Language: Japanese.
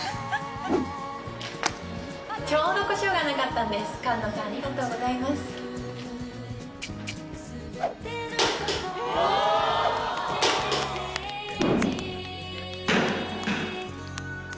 ちょうどこしょうがなかったんです、菅野さん、ありがとうございます。